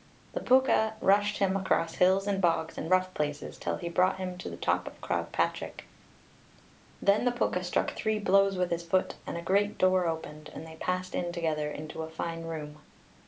The Púca rushed him across hills and bogs and rough places, till he brought him to the top of Croagh Patric. Then the Púca struck three blows with his foot, and a great door opened, and they passed in together, into a fine room.